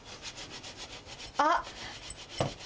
あっ！